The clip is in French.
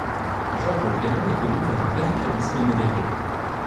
Georges Clément évolue vers un radicalisme modéré.